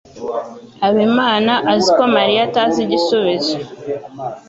Habimana azi ko Mariya atazi igisubizo.